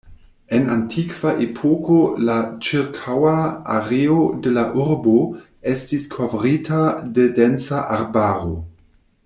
En antikva epoko la ĉirkaŭa areo de la urbo estis kovrita de densa arbaro.